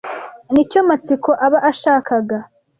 Nicyo matsiko aba ashakaga.